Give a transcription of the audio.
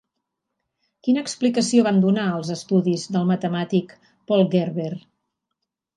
Quina explicació van donar els estudis del matemàtic Paul Gerber?